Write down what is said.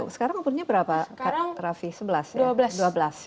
sekarang berapa raffi